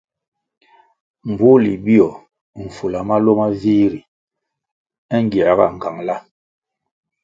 Mbpohli bio mfula maluo ma vih ri é ngiehga nğangla.